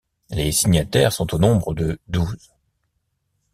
Les signataires sont au nombre de douze.